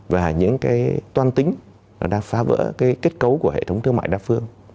và những toan tính đang phá vỡ kết cấu của hệ thống thương mại đa phương